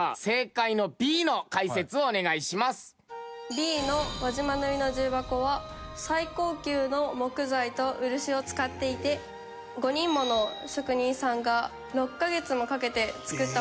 Ｂの輪島塗の重箱は最高級の木材と漆を使っていて５人もの職人さんが６カ月もかけて作ったものなんです。